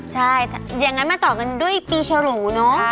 ใช่อย่างนั้นมาต่อกันด้วยปีฉรูเนอะ